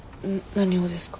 何ですか？